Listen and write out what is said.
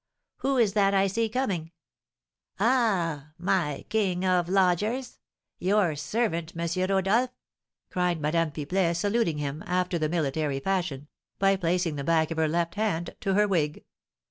Who is that I see coming? Ah, my king of lodgers! Your servant, M. Rodolph!" cried Madame Pipelet, saluting him, after the military fashion, by placing the back of her left hand to her wig.